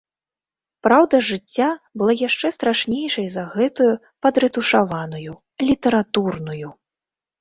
Праўда жыцця была яшчэ страшнейшай за гэтую падрэтушаваную, літаратурную.